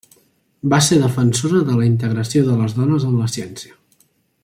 Va ser defensora de la integració de les dones en la ciència.